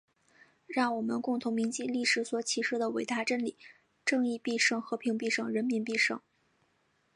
让我们共同铭记历史所启示的伟大真理：正义必胜！和平必胜！人民必胜！